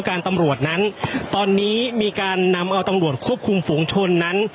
การตำรวจนั้นตอนนี้มีการนำเอาตำรวจควบคุมฝูงชนนั้น